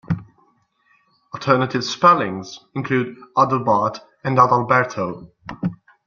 Alternative spellings include Adelbart and Adalberto.